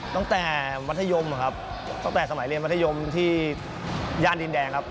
ตั้งแต่มัธยมครับตั้งแต่สมัยเรียนมัธยมที่ย่านดินแดงครับ